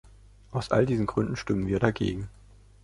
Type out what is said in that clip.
Aus all diesen Gründen stimmen wir dagegen.